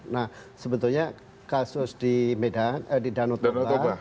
nah sebetulnya kasus di medan di danau toba